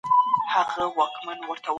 هغه د افغانستان د ملي ارزښتونو ساتنه وکړه.